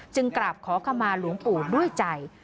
กราบขอขมาหลวงปู่ด้วยใจ